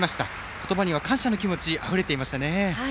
言葉には感謝の気持ちがあふれていました。